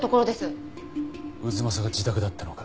太秦が自宅だったのか。